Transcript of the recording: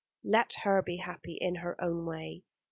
Let her be happy in her own way.